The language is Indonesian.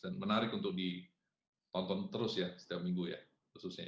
dan menarik untuk dikontrol terus ya setiap minggu ya khususnya ya